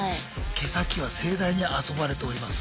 毛先は盛大に遊ばれております。